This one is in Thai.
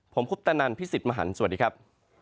ผมพุทธนันทร์พิสิทธิ์มหันฯสวัสดีครับ